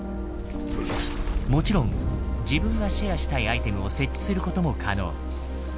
もちろん自分がシェアしたいアイテムを設置することも可能。